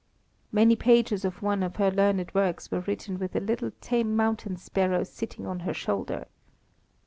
Many pages of one of her learned works were written with a little tame mountain sparrow sitting on her shoulder.